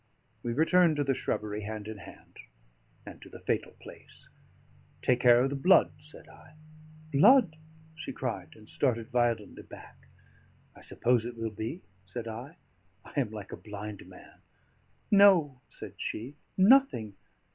We returned to the shrubbery hand in hand, and to the fatal place. "Take care of the blood," said I. "Blood?" she cried, and started violently back. "I suppose it will be," said I. "I am like a blind man." "No," said she, "nothing!